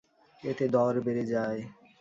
এতে দর বেড়ে যায়।